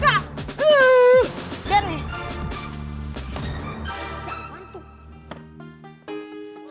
lihat nih jalan tuh